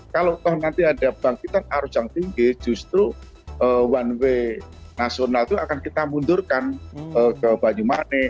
kalau nanti ada bangkitan arus yang tinggi justru one way nasional itu akan kita mundurkan ke banyumanik